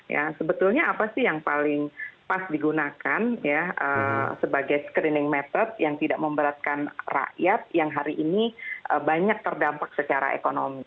ya sebetulnya apa sih yang paling pas digunakan ya sebagai screening metrod yang tidak memberatkan rakyat yang hari ini banyak terdampak secara ekonomi